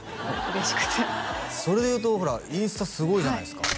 嬉しくてそれでいうとほらインスタすごいじゃないですか